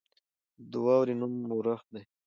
د واورې نوم اورښت دی.